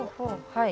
はい。